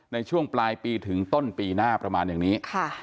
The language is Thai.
ในช่วงปลายปีถึงต้นปีหน้าประมาณอย่างนี้